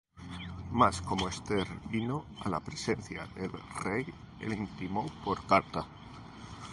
Mas como Esther vino á la presencia del rey, él intimó por carta: